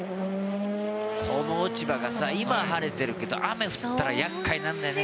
この落ち葉がさ今晴れているけど雨降ったら厄介なんだよね。